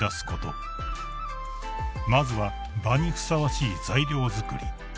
［まずは場にふさわしい材料作り］